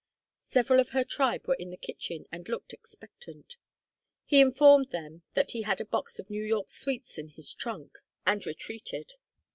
Several of her tribe were in the kitchen and looked expectant. He informed them that he had a box of New York sweets in his trunk, and retreated.